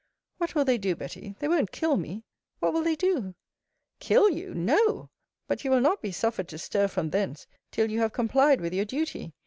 What will they do, Betty? They won't kill me? What will they do? Kill you! No! But you will not be suffered to stir from thence, till you have complied with your duty.